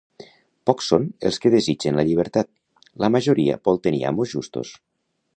Pocs són els que desitgen la llibertat; la majoria vol tenir amos justos.